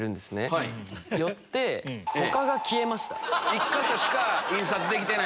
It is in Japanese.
１か所しか印刷できてない。